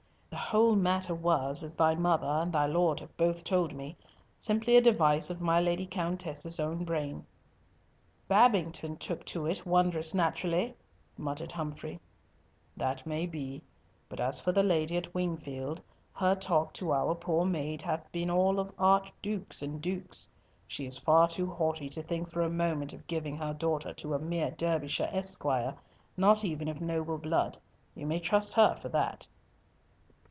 "The whole matter was, as thy mother and thy Lord have both told me, simply a device of my Lady Countess's own brain." "Babington took to it wondrous naturally," muttered Humfrey. "That may be; but as for the lady at Wingfield, her talk to our poor maid hath been all of archdukes and dukes. She is far too haughty to think for a moment of giving her daughter to a mere Derbyshire esquire, not even of noble blood. You may trust her for that."